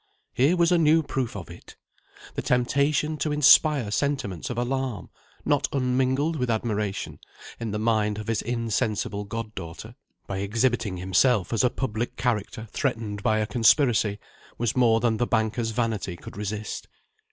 Here was a new proof of it! The temptation to inspire sentiments of alarm not unmingled with admiration in the mind of his insensible goddaughter, by exhibiting himself as a public character threatened by a conspiracy, was more than the banker's vanity could resist.